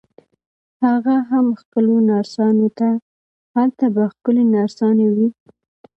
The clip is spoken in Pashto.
هغه هم ښکلو نرسانو ته، هلته به ښکلې نرسانې وي.